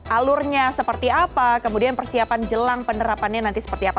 alurnya seperti apa kemudian persiapan jelang penerapannya nanti seperti apa